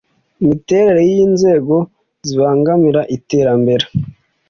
miterere y inzego zibangamira iterambere